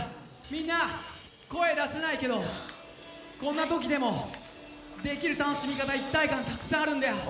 みんな声出せないけど、こんなときでもできる楽しみ方、一体感、たくさんあるんだよ。